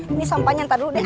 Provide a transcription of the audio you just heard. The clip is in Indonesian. ini sampahnya ntar dulu deh